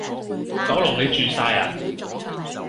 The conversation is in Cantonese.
九龍你住曬呀！